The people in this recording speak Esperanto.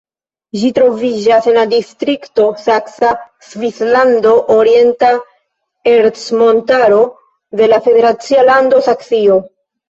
Ĝi troviĝas en la distrikto Saksa Svislando-Orienta Ercmontaro de la federacia lando Saksio.